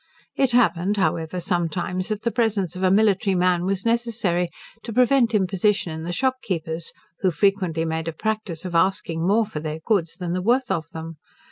It happened, however, sometimes, that the presence of a military man was necessary to prevent imposition in the shopkeepers, who frequently made a practice of asking more for their goods than the worth of them.